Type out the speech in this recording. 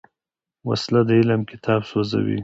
وسله د علم کتاب سوځوي